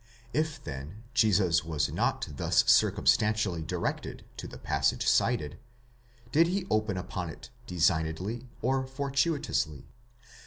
19 If then Jesus was not thus circumstantially directed to the passage cited, did he open upon it designedly or fortuitously?